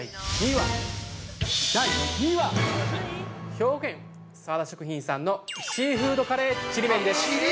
兵庫県、澤田食品さんのシーフードカレーちりめんです。